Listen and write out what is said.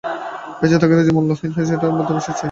বেঁচে থাকাটা যে মূল্যহীন নয় সেটা বলার মতো আত্মবিশ্বাস চাই!